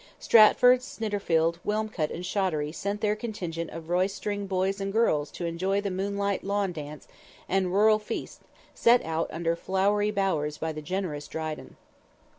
Stratford, Snitterfield, Wilmcote and Shottery sent their contingent of roistering boys and girls to enjoy the moonlight lawn dance and rural feast set out under flowery bowers by the generous Dryden.